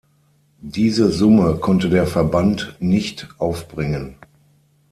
Diese Summe konnte der Verband nicht aufbringen.